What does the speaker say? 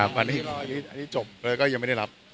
วันนี้ก็อันนี้จบแล้วก็ยังไม่ได้รับ